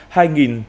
hai di sản phẩm